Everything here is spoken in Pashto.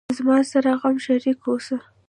زما سره غم شریک اوسه